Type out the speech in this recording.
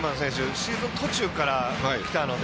シーズン途中から来たので。